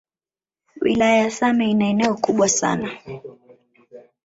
Wilaya ya same ina eneo kubwa sana